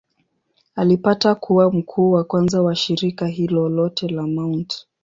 Alipata kuwa mkuu wa kwanza wa shirika hilo lote la Mt.